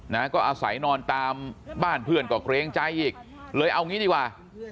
นะก็อาศัยนอนตามบ้านเพื่อนก็เกรงใจอีกเลยเอางี้ดีกว่า